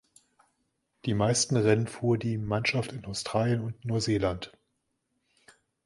Die meisten Rennen fuhr die Mannschaft in Australien und Neuseeland.